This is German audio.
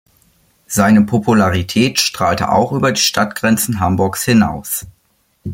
Seine Popularität strahlte auch über die Stadtgrenzen Hamburgs hinaus.